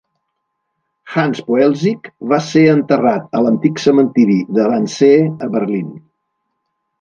Hans Poelzig va ser enterrat a l'antic cementiri de Wannsee a Berlín.